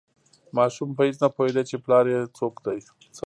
ماشوم په هیڅ نه پوهیده چې پلار یې څوک دی.